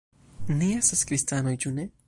Ni estas kristanoj, ĉu ne?